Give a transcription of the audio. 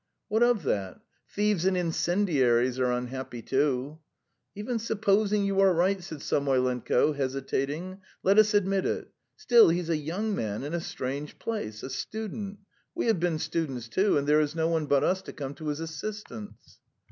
"What of that? Thieves and incendiaries are unhappy too!" "Even supposing you are right ..." said Samoylenko, hesitating. "Let us admit it. ... Still, he's a young man in a strange place ... a student. We have been students, too, and there is no one but us to come to his assistance."